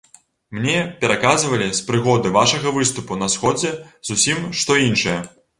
Мне пераказвалі, з прыгоды вашага выступу на сходзе, зусім што іншае.